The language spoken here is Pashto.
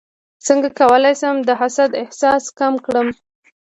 څنګه کولی شم د حسد احساس کم کړم